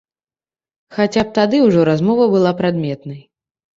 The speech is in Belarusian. Хаця б тады ўжо размова была прадметнай.